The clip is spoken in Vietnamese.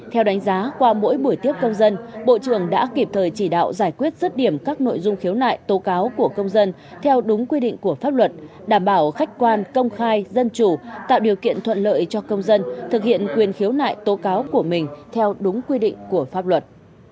theo đánh giá qua mỗi buổi tiếp công dân bộ trưởng đã kịp thời chỉ đạo giải quyết rứt điểm các nội dung khiếu nại tố cáo của công dân theo đúng quy định của pháp luật đảm bảo khách quan công khai dân chủ tạo điều kiện thuận lợi cho công dân thực hiện quyền khiếu nại tố cáo của mình theo đúng quy định của pháp luật